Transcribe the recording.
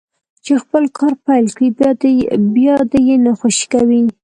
چې خپل کار پيل کړي بيا دې يې نه خوشي کوي.